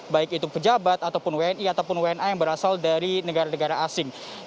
baik itu pejabat ataupun wni ataupun wna yang berasal dari negara negara asing